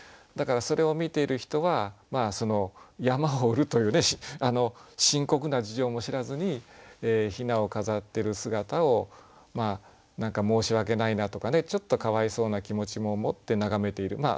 だからそれを見ている人は山を売るという深刻な事情も知らずに雛を飾ってる姿を何か申し訳ないなとかねちょっとかわいそうな気持ちももって眺めている。